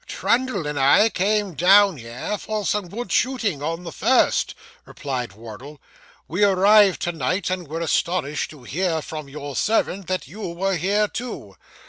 'Trundle and I came down here, for some good shooting on the first,' replied Wardle. 'We arrived to night, and were astonished to hear from your servant that you were here too.